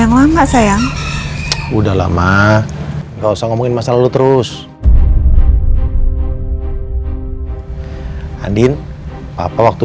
lama enggak sayang udah lama nggak usah ngomongin masalah lu terus andin papa waktu